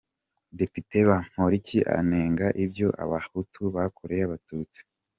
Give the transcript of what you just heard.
Depite Bamporiki anenga ibyo Abahutu bakoreye Abatusi.